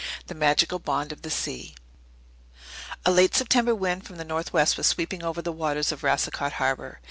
The Magical Bond of the Sea A late September wind from the northwest was sweeping over the waters of Racicot Harbour.